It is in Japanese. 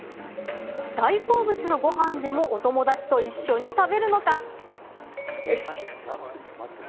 大好物のご飯でも、お友達と一緒に食べるのか？